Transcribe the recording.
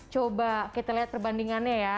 coba kita lihat perbandingannya ya